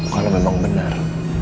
karena memang benar